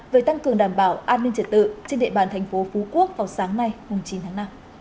về tăng cường đảm bảo an ninh trật tự trên địa bàn thành phố phú quốc vào sáng nay chín tháng năm